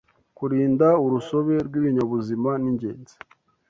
kurinda urusobe rw’ibinyabuzima ningenzi